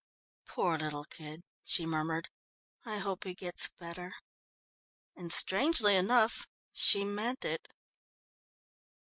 "Poor little kid," she murmured, "I hope he gets better." And, strangely enough, she meant it.